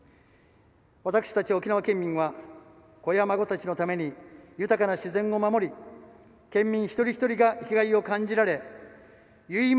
私たち沖縄県民は子や孫たちのために豊かな自然を守り県民一人一人が生きがいを感じられゆい